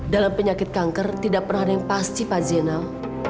dalam penyakit kanker tidak pernah ada yang pasti pak zenal